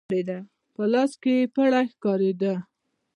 په لاس کې يې پړی ښکارېده.